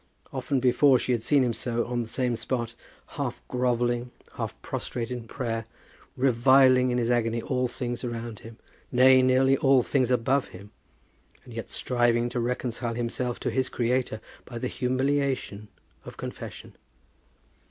Often before had she seen him so, on the same spot, half grovelling, half prostrate in prayer, reviling in his agony all things around him, nay, nearly all things above him, and yet striving to reconcile himself to his Creator by the humiliation of confession.